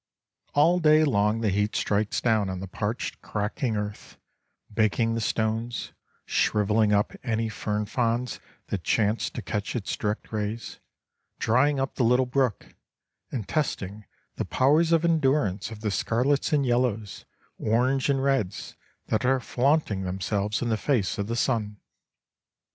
All day long the heat strikes down on the parched, cracking earth, baking the stones, shrivelling up any fern fronds that chance to catch its direct rays, drying up the little brook, and testing the powers of endurance of the scarlets and yellows, orange and reds, that are flaunting themselves in the face of the sun.